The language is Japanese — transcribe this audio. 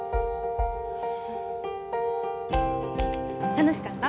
楽しかった？